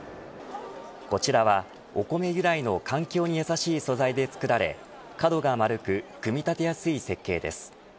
こちらはお米由来の環境に優しい素材で作られ角が丸く組み立てやすい設計です。